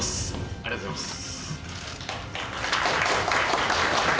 ありがとうございます。